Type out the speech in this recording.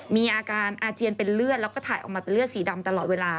มีอาการอาเจียนเป็นเลือดแล้วก็ถ่ายออกมาเป็นเลือดสีดำตลอดเวลา